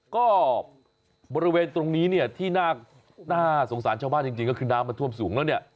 ก็บริเวณตรงนี้เนี่ยที่น่าสงสารชาวบ้านจริงก็คือน้ำมันท่วมสูงแล้วเนี่ย